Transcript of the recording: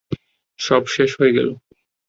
সব শেষ হয়ে গেলো।